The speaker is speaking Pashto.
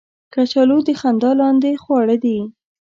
کچالو د خندا لاندې خواړه دي